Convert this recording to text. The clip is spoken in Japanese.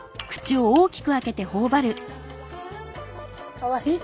かわいい。